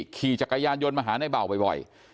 ขี่จักรยานยนต์มาหาในเบาบ่อย